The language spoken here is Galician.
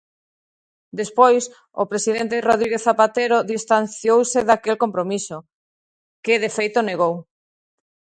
Despois, o presidente Rodríguez Zapatero distanciouse daquel compromiso, que de feito negou.